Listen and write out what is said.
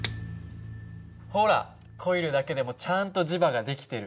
ほらコイルだけでもちゃんと磁場が出来てる。